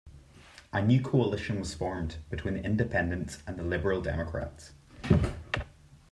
A new coalition was formed, between the Independents and the Liberal Democrats.